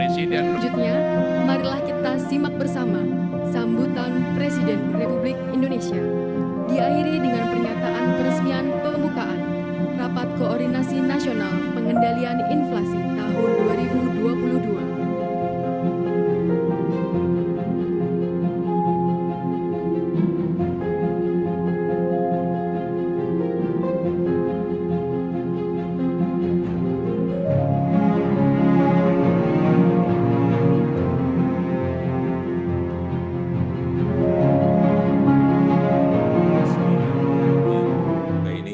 selanjutnya mari kita simak bersama sambutan presiden republik indonesia diakhiri dengan pernyataan peresmian pembukaan rapat koordinasi nasional pengendalian inflasi tahun dua ribu dua puluh dua